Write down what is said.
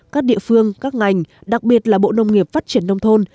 các địa phương các ngành đặc biệt là bộ nông nghiệp phát triển nông thôn